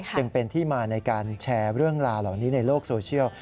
จึงเป็นที่มาในการแชร์เรื่องราวเหล่านี้ในโลกโซเชียล